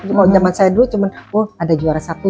kalau zaman saya dulu cuma ada juara satu